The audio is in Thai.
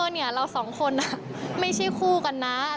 เนี่ยเราสองคนไม่ใช่คู่กันนะ